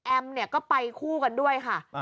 แอมเนี่ยก็ไปคู่กันด้วยค่ะ